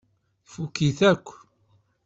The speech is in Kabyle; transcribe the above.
Tfukk-it akk.